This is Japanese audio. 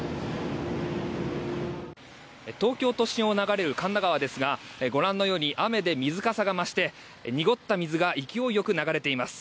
東京都心を流れる神田川ですがご覧のように雨で水かさが増して濁った水が勢いよく流れています。